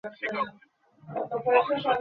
এসো, বন্ধু।